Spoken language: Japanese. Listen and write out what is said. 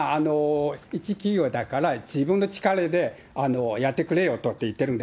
一企業だから、自分の力でやってくれよと言ってるんで。